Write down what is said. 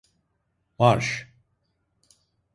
Marş!